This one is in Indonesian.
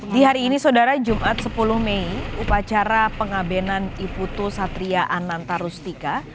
di hari ini jumat sepuluh mei upacara pengabenan iputu satria anantarustika